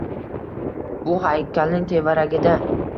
Bu haykalning tevaragida